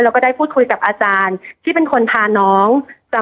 แล้วก็ได้พูดคุยกับอาจารย์ที่เป็นคนพาน้อง